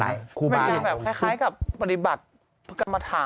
มีแบบคล้ายกับปฏิบัติกรรมฐาน